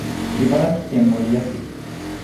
茨城県守谷市